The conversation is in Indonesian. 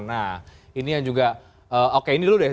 nah ini yang juga oke ini dulu deh